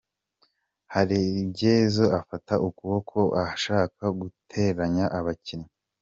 Hari ibyemezo afata ukabona ko ashaka guteranya abakinnyi.”